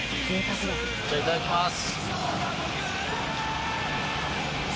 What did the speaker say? じゃあいただきます。